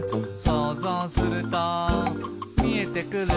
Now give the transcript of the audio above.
「そうぞうするとみえてくる」